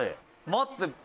「待って！